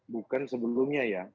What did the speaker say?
bukan sebelumnya ya